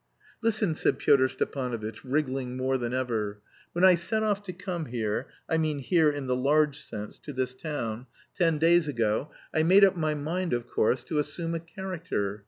"Listen," said Pyotr Stepanovitch, wriggling more than ever, "when I set off to come here, I mean here in the large sense, to this town, ten days ago, I made up my mind, of course, to assume a character.